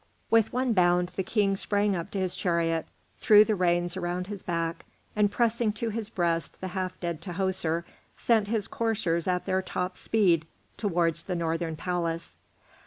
With one bound the King sprang on to his chariot, threw the reins around his back, and pressing to his breast the half dead Tahoser, sent his coursers at their top speed towards the Northern Palace.